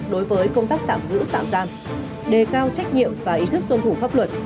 đối với công tác tạm giữ tạm giam đề cao trách nhiệm và ý thức tuân thủ pháp luật